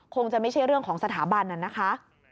คงจะไม่ใช่เรื่องของสถาบันน่ะนะคะ